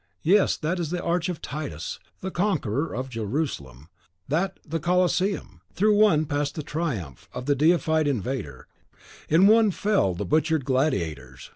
Yes, that is the arch of Titus, the conqueror of Jerusalem, that the Colosseum! Through one passed the triumph of the deified invader; in one fell the butchered gladiators.